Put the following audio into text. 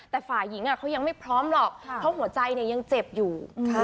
แต่ฝ่ายหญิงเขายังไม่พร้อมหรอกเพราะหัวใจยังเจ็บอยู่